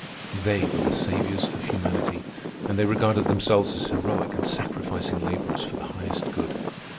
They were the saviours of humanity, and they regarded themselves as heroic and sacrificing laborers for the highest good.